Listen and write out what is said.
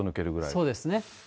そうですね。